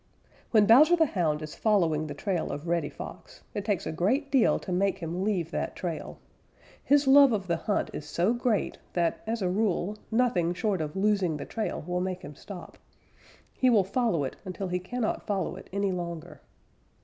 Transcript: _ When Bowser the Hound is following the trail of Reddy Fox, it takes a great deal to make him leave that trail. His love of the hunt is so great that, as a rule, nothing short of losing the trail will make him stop. He will follow it until he cannot follow it any longer.